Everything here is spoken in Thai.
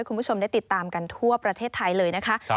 คุณผู้ชมได้ติดตามกันทั่วประเทศไทยเลยนะคะ